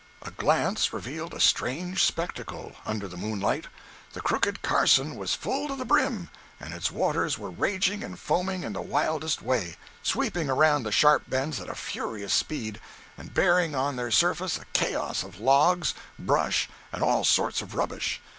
A glance revealed a strange spectacle, under the moonlight. The crooked Carson was full to the brim, and its waters were raging and foaming in the wildest way—sweeping around the sharp bends at a furious speed, and bearing on their surface a chaos of logs, brush and all sorts of rubbish.